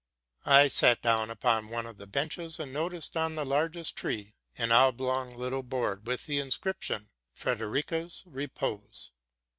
I sat down upon one of the benches, and noticed on the largest tree an oblong little board with the inscription, '* Frederica's Re pose.